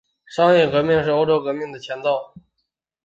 商业革命是欧洲工业革命的前奏。